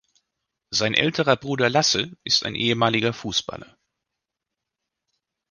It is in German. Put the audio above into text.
Sein älterer Bruder Lasse ist ein ehemaliger Fußballer.